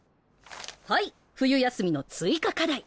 はい冬休みの追加課題。